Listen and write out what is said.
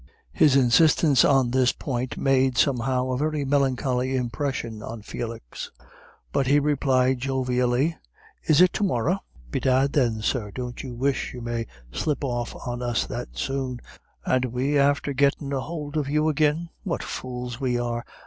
His insistence on this point made, somehow, a very melancholy impression on Felix; but he replied jovially: "Is it to morra? Bedad then, sir, don't you wish you may slip off on us that soon, and we after gettin' a hould of you agin? What fools we are.